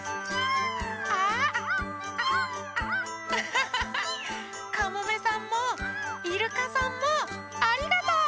ハハハハかもめさんもイルカさんもありがとう！